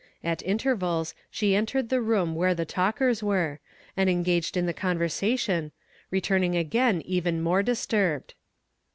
At intervals she entered the room where the talkers were, and engaged in the convei sation, returning again even more disturbed.